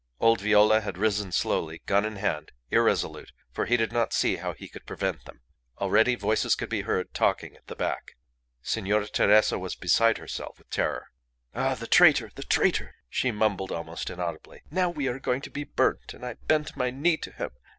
Old Viola had risen slowly, gun in hand, irresolute, for he did not see how he could prevent them. Already voices could be heard talking at the back. Signora Teresa was beside herself with terror. "Ah! the traitor! the traitor!" she mumbled, almost inaudibly. "Now we are going to be burnt; and I bent my knee to him.